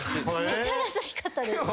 めちゃ優しかったです。